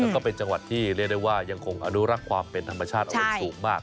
แล้วก็เป็นจังหวัดที่เรียกได้ว่ายังคงอนุรักษ์ความเป็นธรรมชาติเอาไว้สูงมาก